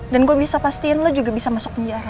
dan gue bisa pastiin lo juga bisa masuk penjara